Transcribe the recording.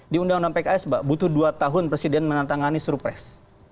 di undang undang pks pak butuh dua tahun presiden menantangani surpres